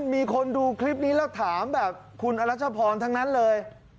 มีคนดูคลิปนี้แล้วถามแบบคุณอรัชพรทั้งนั้นเลย